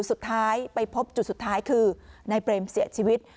สุดท้ายไปพบจุดสุดท้ายคือนายเปรมเสียชีวิต